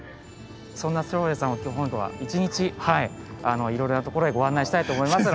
そんな照英さんを今日一日いろいろなところへご案内したいと思いますので。